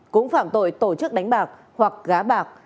cũng phạm tội tổ chức đánh bạc hoặc gá bạc